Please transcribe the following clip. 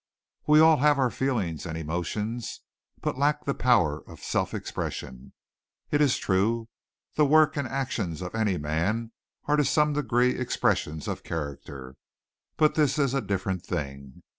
We all have our feelings and emotions, but lack the power of self expression. It is true, the work and actions of any man are to some degree expressions of character, but this is a different thing.